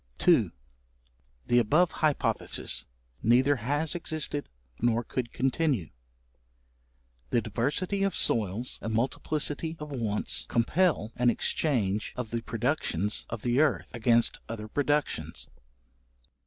§2. The above hypothesis neither has existed nor could continue. The diversity of soils and multiplicity of wants, compel an exchange of the productions of the earth, against other productions.